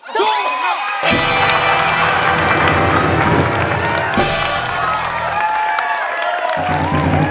สู้ไว้